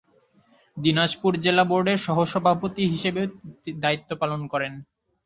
দিনাজপুর জেলা বোর্ডের সহসভাপতি হিসেবেও দায়িত্ব পালন করেন।